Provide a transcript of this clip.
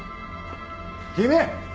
君！